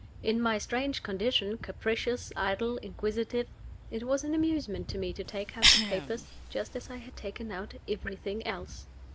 In my strange condition capricious, idle, inquisitive it was an amusement to me to take out the papers, just as I had taken out everything else.